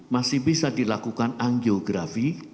masih bisa dilakukan angiografi